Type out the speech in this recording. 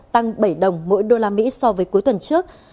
tăng bảy đồng mỗi đô la mỹ so với cuối tuần trước